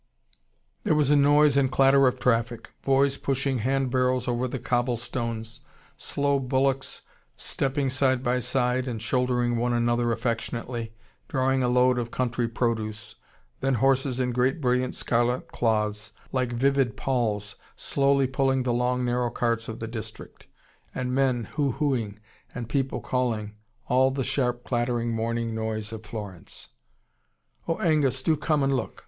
There was a noise and clatter of traffic: boys pushing hand barrows over the cobble stones, slow bullocks stepping side by side, and shouldering one another affectionately, drawing a load of country produce, then horses in great brilliant scarlet cloths, like vivid palls, slowly pulling the long narrow carts of the district: and men hu huing! and people calling: all the sharp, clattering morning noise of Florence. "Oh, Angus! Do come and look!